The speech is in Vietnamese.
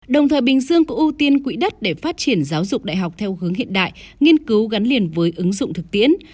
đồng thời bình dương cũng ưu tiên quỹ đất để phát triển giáo dục đại học theo hướng hiện đại nghiên cứu gắn liền với ứng dụng thực tiễn